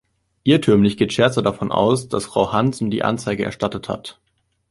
Irrtümlich geht Scherzer davon aus, dass Frau Hansen die Anzeige erstattet hat.